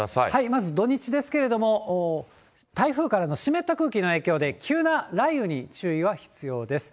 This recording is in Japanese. まず土日ですけれども、台風からの湿った空気の影響で、急な雷雨に注意が必要です。